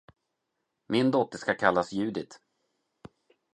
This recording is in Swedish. Min dotter skall kallas Judith.